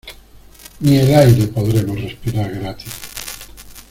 Ni el aire podremos respirar gratis.